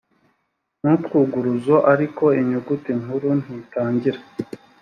n utwuguruzo ariko inyuguti nkuru ntitangira